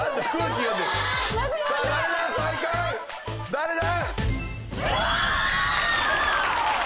誰だ？